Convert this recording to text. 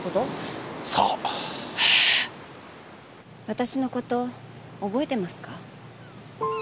私の事覚えてますか？